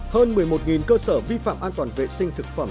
hơn một mươi một cơ sở vi phạm an toàn vệ sinh thực phẩm